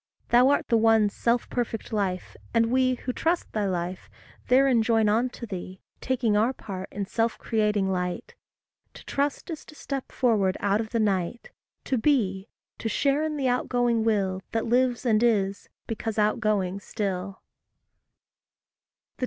Thou art the one self perfect life, and we Who trust thy life, therein join on to thee, Taking our part in self creating light. To trust is to step forward out of the night To be to share in the outgoing Will That lives and is, because outgoing still. 10.